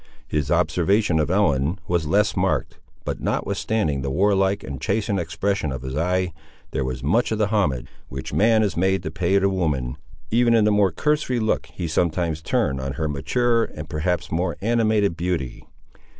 His observation of Ellen was less marked, but notwithstanding the warlike and chastened expression of his eye, there was much of the homage, which man is made to pay to woman, even in the more cursory look he sometimes turned on her maturer and perhaps more animated beauty.